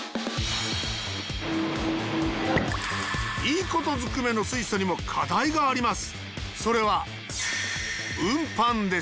いいことずくめの水素にも課題があります。